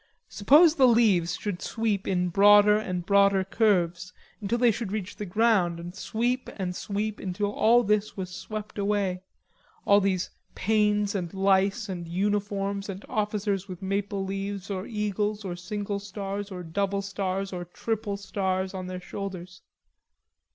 Suppose the leaves should sweep in broader and broader curves until they should reach the ground and sweep and sweep until all this was swept away, all these pains and lice and uniforms and officers with maple leaves or eagles or single stars or double stars or triple stars on their shoulders.